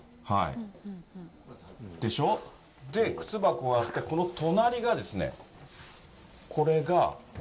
でしょ、靴箱あって、この隣がですね、これが。